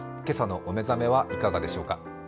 今朝のおめざめはいかがでしょうか。